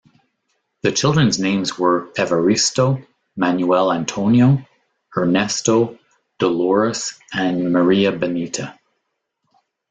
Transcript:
The children's names were Evaristo, Manuel Antonio, Ernesto, Dolores and Maria Benita.